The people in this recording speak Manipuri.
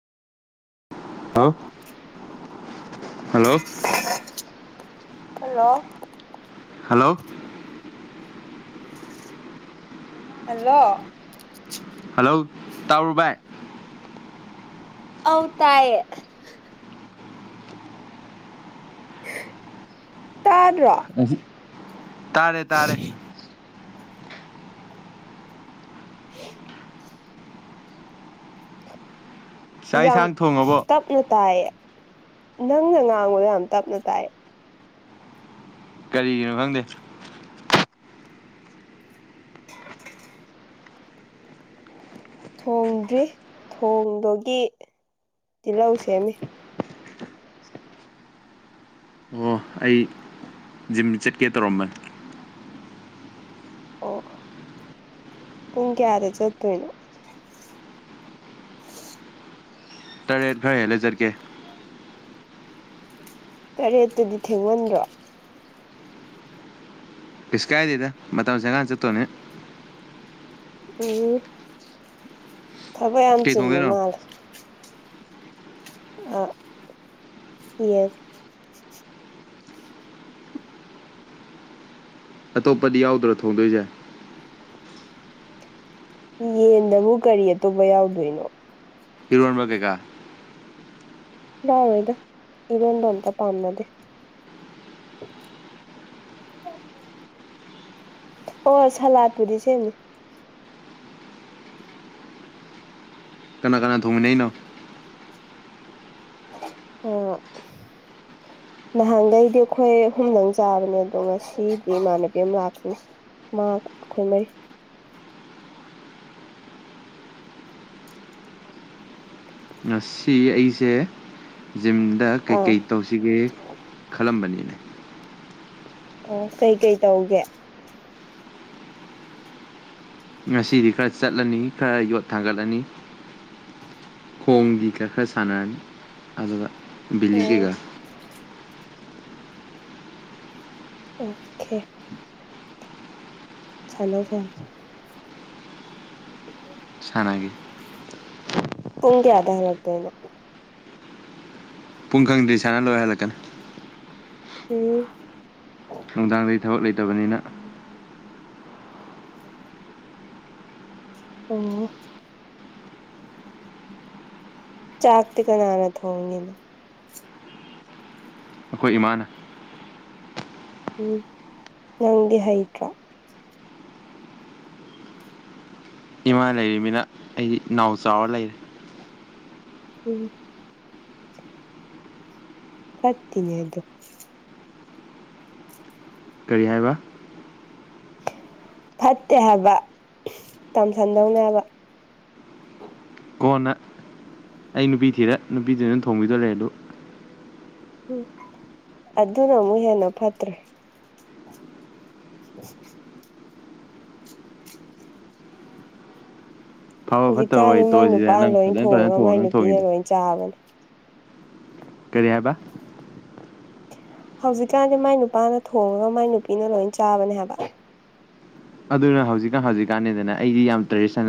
ꯑꯣ ꯍꯜꯂ hello hello hello hello hello ꯇꯥꯕ꯭ꯔꯣ ꯚꯥꯏ ꯑꯧ ꯇꯥꯢꯑꯦ ꯇꯥꯗ꯭ꯔꯣ ꯇꯥꯔꯦ ꯇꯥꯔꯦ [inaudible] ꯆꯥꯛ ꯌꯥꯝ ꯏꯟꯁꯥꯡ ꯊꯣꯡꯉꯕꯣ ꯇꯞ ꯅ ꯇꯥꯢꯑꯦ ꯅꯪꯅ ꯉꯥꯡꯕꯗꯣ ꯌꯥꯝ ꯇꯞꯅ ꯇꯥꯏ ꯀꯔꯤꯒꯤꯅꯣ ꯈꯪꯗꯦ ꯊꯣꯡꯗ꯭ꯔꯤ ꯊꯣꯡꯗꯨꯒꯤ ꯇꯤꯜꯍꯧ ꯁꯦꯝꯃꯤ ꯑꯣ ꯑꯩ ꯖꯤꯝ ꯆꯠꯀꯦ ꯇꯧꯔꯝꯕꯅꯤ ꯑꯣ ꯄꯨꯡ ꯀꯦꯌꯥꯗ ꯆꯠꯇꯨꯅꯣ ꯇꯥꯔꯦꯠ ꯈꯔ ꯍꯦꯜ ꯂ ꯆꯠꯀꯦ ꯇꯔꯦꯠꯇꯗꯤ ꯊꯦꯡꯃꯟꯗ꯭ꯔꯣ ꯄꯤꯁ ꯀꯥꯏꯗꯦꯗ ꯃꯇꯝ ꯆꯪꯉꯥꯟ ꯆꯠꯇꯣꯅꯦ ꯎꯝ ꯊꯕꯛ ꯌꯥꯝ ꯀꯩ ꯆꯤꯟꯕ ꯊꯣꯡꯗꯣꯏꯅꯣ ꯃꯥꯜꯂꯦ ꯑ ꯌꯦꯟ ꯑꯇꯣꯞꯄꯗꯤ ꯌꯥꯎꯗ꯭ꯔꯣ ꯊꯣꯡꯗꯣꯏꯁꯦ ꯌꯦꯟꯗꯕꯨ ꯀꯔꯤ ꯑꯇꯣꯞꯄ ꯌꯥꯎꯗꯣꯏꯅꯣ ꯏꯔꯣꯟꯕ ꯀꯩꯀꯥ ꯌꯥꯎꯔꯣꯏꯗ ꯏꯔꯣꯟꯕ ꯑꯝꯇ ꯄꯥꯝꯅꯗꯦ ꯑꯣ ꯁꯂꯥꯗ ꯄꯨꯗꯤꯁꯦꯝꯅꯤ ꯀꯅꯥ ꯀꯅꯥ ꯊꯣꯡꯃꯤꯟꯅꯩꯅꯣꯅꯣ ꯅꯍꯥꯟꯒꯩꯗꯤ ꯑꯩꯈꯣꯏ ꯑꯍꯨꯝꯗꯪ ꯆꯥꯕꯅꯦ ꯑꯗꯣ ꯉꯁꯤꯗꯤ ꯏꯃꯥꯟꯅꯕꯤ ꯑꯃ ꯂꯥꯛꯄꯅꯤ ꯃꯥ ꯑꯩꯈꯣꯏ ꯃꯔꯤ ꯉꯁꯤ ꯑꯩꯁꯦ ꯖꯤꯝꯗ ꯑꯥ ꯀꯩꯀꯩ ꯇꯧꯁꯤꯒꯦ ꯈꯜꯂꯝꯕꯅꯤꯅ ꯑꯣ ꯀꯩꯀꯩ ꯇꯧꯒꯦ ꯉꯁꯤꯗꯤ ꯈꯔ ꯆꯠꯂꯅꯤ ꯈꯔ ꯌꯣꯠ ꯊꯥꯡꯒꯠꯂꯅꯤ ꯈꯣꯡꯗꯤ ꯈꯔ ꯈꯔ ꯁꯥꯟꯅꯔꯅꯤ ꯑꯗꯨꯒꯗ ꯑꯣ ꯕꯤꯂꯤꯒꯩꯒ ꯑꯣꯀꯦ ꯁꯅꯣ ꯊꯅ ꯁꯅꯒꯦ ꯄꯨꯡ ꯀꯌꯥꯗ ꯍꯜꯂꯛꯇꯣꯏꯅꯣ ꯄꯨꯡ ꯈꯪꯗ꯭ꯔꯤ ꯁꯥꯟꯅ ꯂꯣꯏꯔ ꯍꯜꯂꯛꯀꯅꯤ ꯎꯝ ꯅꯨꯡꯗꯥꯡꯗꯒꯤ ꯊꯕꯛ ꯂꯩꯇꯕꯅꯤꯅ ꯑꯣ ꯆꯥꯥꯛꯇꯤ ꯀꯅꯥꯅ ꯊꯣꯡꯏꯅꯣ ꯑꯩꯈꯣꯏ ꯏꯃꯥꯅ ꯎꯝ ꯅꯪꯗꯤ ꯍꯩꯇ꯭ꯔꯣ ꯏꯃꯥ ꯂꯩꯔꯤꯃꯤꯅ ꯑꯩꯗꯤ ꯅꯥꯎ ꯆꯥꯎꯔ ꯂꯩꯔꯦ ꯎꯝ ꯐꯠꯇꯅꯦ ꯑꯗꯨ ꯀꯔꯤ ꯍꯥꯏꯕ ꯐꯠꯇꯦ ꯍꯥꯏꯕ ꯇꯝꯁꯟꯗꯧꯅꯦ ꯍꯥꯏꯕ ꯀꯣꯟꯅ ꯑꯩ ꯅꯨꯄꯤ ꯊꯤꯔꯦ ꯅꯨꯄꯤꯗꯨ ꯑꯗꯨꯝ ꯊꯣꯡꯕꯤꯗ ꯂꯩꯦ ꯑꯗꯨ ꯎꯝ ꯑꯗꯨꯅ ꯃꯨꯍꯅ ꯄꯠꯇ꯭ꯔꯦ [unintelligible] ꯐꯕ ꯐꯠꯇꯕ ꯍꯧꯖꯤꯛꯀꯥꯟꯁꯤ ꯋꯥꯔꯤ ꯃꯥꯏ ꯇꯣꯛꯑꯁꯤꯗ ꯅꯨꯄꯥꯅ ꯅꯪ ꯂꯣꯏ ꯐꯖꯅ ꯐꯖꯅ ꯊꯣꯡꯉꯒ ꯊꯣꯡꯉꯣ ꯃꯥꯏ ꯅꯪ ꯅꯨꯄꯤꯅ ꯊꯣꯡꯉꯤꯗꯣ ꯂꯣꯏ ꯆꯥꯕꯅꯦ ꯀꯔꯤ ꯍꯥꯏꯕ ꯍꯧꯖꯤꯛꯀꯥꯟꯗꯤ ꯃꯥꯏ ꯅꯨꯄꯥꯅ ꯊꯣꯡꯉꯒ ꯃꯥꯏ ꯅꯨꯄꯤꯅ ꯂꯣꯏ ꯆꯥꯕꯅꯦ ꯍꯥꯏꯕ ꯑꯗꯨꯅ ꯍꯧꯖꯤꯛꯀꯥꯟ ꯍꯧꯖꯤꯛꯀꯥꯟꯅꯤꯗꯅ ꯑꯩꯗꯤ ꯌꯥꯝ ꯇ꯭ꯔꯦꯗꯤꯟꯅꯜ